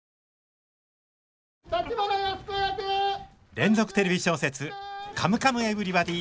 連続テレビ小説「カムカムエヴリバディ」！